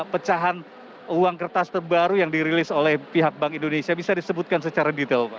pecahan uang kertas terbaru yang dirilis oleh pihak bank indonesia bisa disebutkan secara detail pak